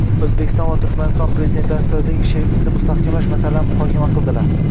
O‘zbekiston va Turkmaniston Prezidentlari strategik sheriklikni mustahkamlash masalalarini muhokama qildilar